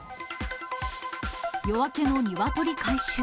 夜明けのニワトリ回収。